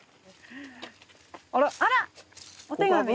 あら！